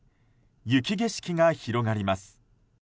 雪景色が広がります。